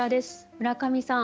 村上さん